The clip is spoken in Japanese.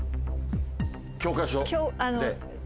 教科書で？